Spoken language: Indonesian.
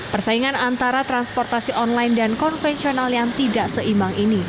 persaingan antara transportasi online dan konvensional yang tidak seimbang ini